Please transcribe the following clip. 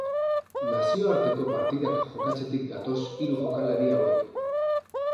Nazioarteko partidak jokatzetik datoz hiru jokalari hauek.